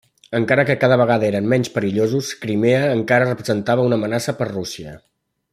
Encara que cada vegada eren menys perillosos, Crimea encara representava una amenaça per Rússia.